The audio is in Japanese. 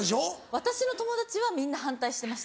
私の友達はみんな反対してました。